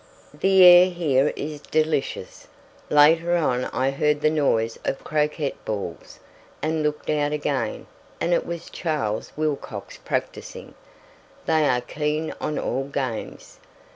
The air here is delicious. Later on I heard the noise of croquet balls, and looked out again, and it was Charles Wilcox practising; they are keen on all games.